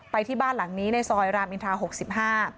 ไปที่บ้านหลังนี้ในซอยรามอินทรา๖๕